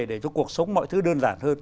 để cho cuộc sống mọi thứ đơn giản hơn